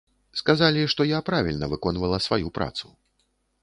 Сказалі, што я правільна выконвала сваю працу.